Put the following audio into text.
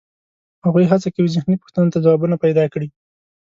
هغوی هڅه کوي ذهني پوښتنو ته ځوابونه پیدا کړي.